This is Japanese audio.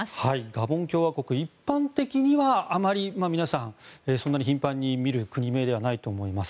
ガボン共和国一般的には、あまり皆さんそんなに頻繁に見る国名ではないと思います。